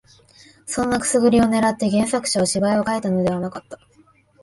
そんなくすぐりを狙って原作者は芝居を書いたのではなかった